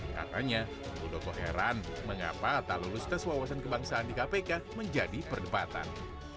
katanya muldoko heran mengapa tak lulus tes wawasan kebangsaan di kpk menjadi perdebatan